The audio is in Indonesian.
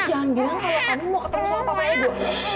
jangan bilang kalau kamu mau ketemu sama bapak edo